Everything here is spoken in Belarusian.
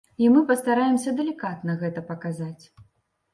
І мы пастараемся далікатна гэта паказаць.